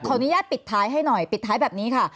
อนุญาตปิดท้ายให้หน่อยปิดท้ายแบบนี้ค่ะ